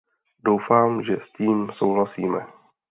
Doufám, že s tím souhlasíme.